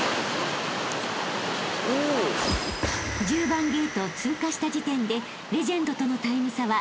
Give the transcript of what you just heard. ［１０番ゲートを通過した時点でレジェンドとのタイム差は］